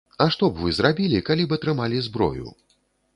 А што б вы зрабілі, калі б атрымалі зброю?